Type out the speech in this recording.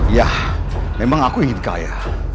ya memang aku ingin kaya